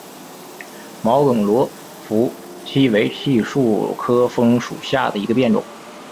毛梗罗浮槭为槭树科枫属下的一个变种。